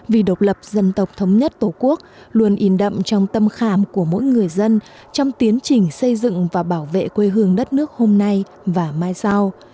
vì độc lập dân tộc thống nhất tổ quốc luôn in đậm trong tâm khảm của mỗi người dân trong tiến trình xây dựng và bảo vệ quê hương đất nước hôm nay và mai sau